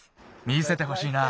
見せてほしいな。